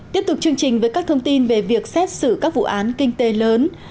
tiếp tục chương trình với các thông tin về việc xét xử các vụ án kinh tế lớn